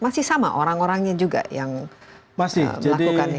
masih sama orang orangnya juga yang melakukannya